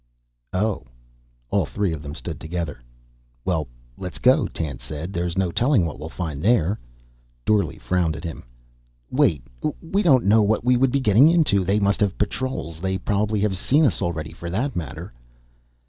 "Oh." All three of them stood together. "Well, let's go," Tance said. "There's no telling what we'll find there." Dorle frowned at him. "Wait. We don't know what we would be getting into. They must have patrols. They probably have seen us already, for that matter."